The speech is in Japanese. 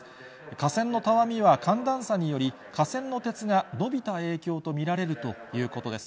架線のたわみは寒暖差により、架線の鉄がのびた影響と見られるということです。